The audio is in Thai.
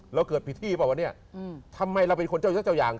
เราเกิดผิดที่ป่ะวะเนี่ยทำไมเราเป็นคนเจ้าอยู่ท่าเจ้าอย่าง